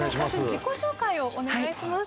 自己紹介をお願いします。